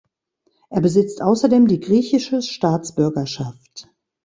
Er besitzt außerdem die griechische Staatsbürgerschaft.